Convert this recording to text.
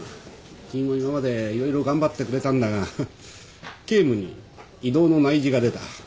君も今までいろいろ頑張ってくれたんだが警務に異動の内示が出た。